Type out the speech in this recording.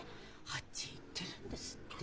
あっちへ行ってるんですって。